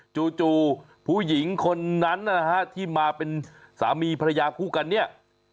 จู่ผู้หญิงคนนั้นนะฮะที่มาเป็นสามีภรรยาคู่กันเนี่ย